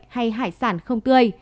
hay hải sản không tươi